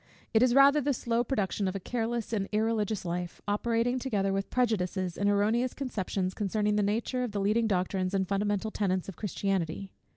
It is rather the slow production of a careless and irreligious life, operating together with prejudices and erroneous conceptions, concerning the nature of the leading doctrines and fundamental tenets of Christianity.